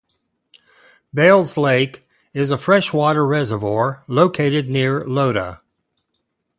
Bayles Lake is a freshwater reservoir located near Loda.